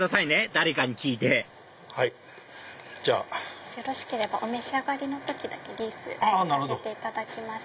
誰かに聞いてよろしければお召し上がりの時リース外させていただきます。